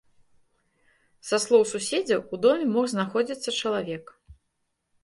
Са словаў суседзяў, у доме мог знаходзіцца чалавек.